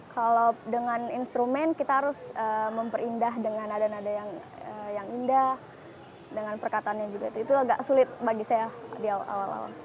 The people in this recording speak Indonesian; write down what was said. kalau dengan instrumen kita harus memperindah dengan nada nada yang indah dengan perkatannya juga itu agak sulit bagi saya di awal awal